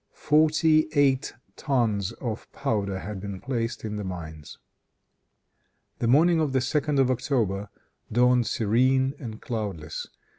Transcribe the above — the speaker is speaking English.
Forty eight tons (tonneaux) of powder had been placed in the mines. The morning of the 2d of October dawned serene and cloudless.